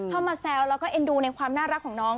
มาแซวแล้วก็เอ็นดูในความน่ารักของน้อง